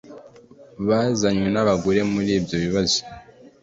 byazanywe n abagore muri byo ibibazo